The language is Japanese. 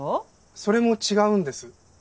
それも違うんです。